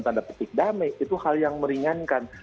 tanda petik damai itu hal yang meringankan